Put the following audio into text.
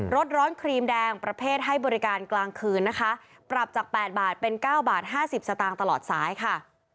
ร้อนครีมแดงประเภทให้บริการกลางคืนนะคะปรับจาก๘บาทเป็น๙บาท๕๐สตางค์ตลอดสายค่ะ